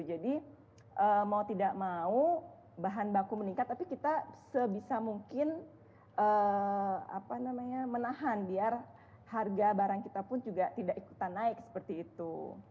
jadi mau tidak mau bahan baku meningkat tapi kita sebisa mungkin menahan biar harga barang kita pun juga tidak ikutan naik seperti itu